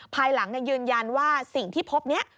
ภายหลังยืนยันว่าสิ่งที่พบนี้